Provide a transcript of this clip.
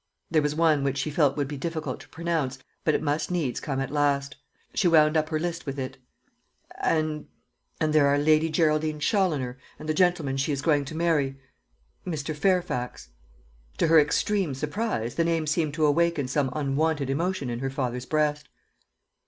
There was one which she felt would be difficult to pronounce, but it must needs come at last. She wound up her list with it: "And and there are Lady Geraldine Challoner, and the gentleman she is going to marry Mr. Fairfax." To her extreme surprise, the name seemed to awaken some unwonted emotion in her father's breast.